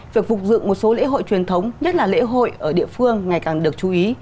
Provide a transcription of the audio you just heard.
việc phục dựng một số lễ hội truyền thống nhất là lễ hội ở địa phương ngày càng được chú ý